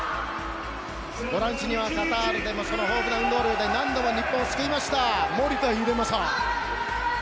ボランチにはカタールでも豊富な運動量で何度も日本を救いました守田英正。